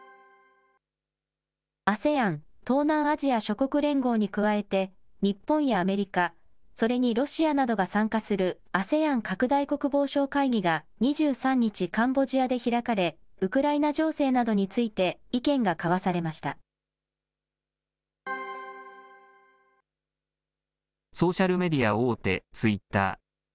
ＡＳＥＡＮ・東南アジア諸国連合に加えて、日本やアメリカ、それにロシアなどが参加するＡＳＥＡＮ拡大国防相会議が２３日、カンボジアで開かれ、ウクライナ情勢などについて意見が交わされソーシャルメディア大手、ツイッター。